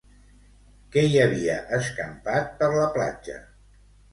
Que hi havia escampat per la platja?